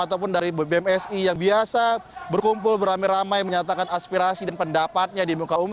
ataupun dari bmsi yang biasa berkumpul beramai ramai menyatakan aspirasi dan pendapatnya di muka umum